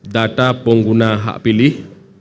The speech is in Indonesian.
data pengguna hak pilih